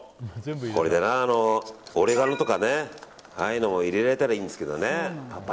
これでオレガノとかああいうのも入れられたらいいんですけどね。